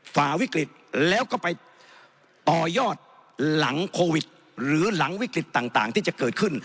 ฝ่าวิกฤตแล้วก็ไปต่อยอดหลังโควิดหรือหลังวิกฤตต่างที่จะเกิดขึ้น